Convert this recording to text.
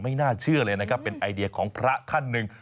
ไม่น่าเชื่อเลยเป็นไอเดียของพระท่านหนึ่ง